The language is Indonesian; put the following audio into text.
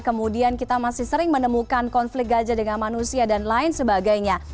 kemudian kita masih sering menemukan konflik gajah dengan manusia dan lain sebagainya